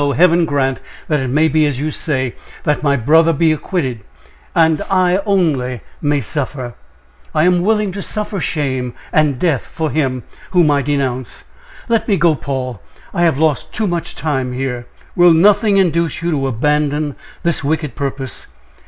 Heaven grant that it may be as you say that my brother be acquitted, and I only may suffer! I am willing to suffer shame and death for him whom I denounce! Let me go, Paul; I have lost too much time here." "Will nothing induce you to abandon this wicked purpose?"